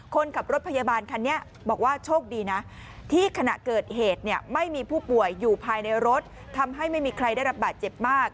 คนขับรถพยาบาลคันนี้บอกว่าโชคดีนะที่ขณะเกิดเหตุเนี่ยไม่มีผู้ป่วยอยู่ภายในรถทำให้ไม่มีใครได้รับบาดเจ็บมาก